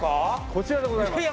こちらでございます。